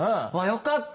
「よかった」？